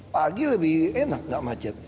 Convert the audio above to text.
pagi lebih enak nggak macet